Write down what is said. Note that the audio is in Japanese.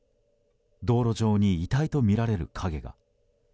道路上に遺体とみられる影が。